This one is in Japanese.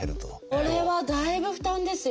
これはだいぶ負担ですよ。